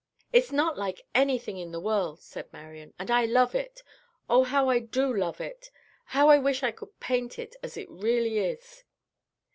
"It's not like anything in the world," said Marian, "and I love it. Oh, how I do love it! How I wish I could paint it as it really is!"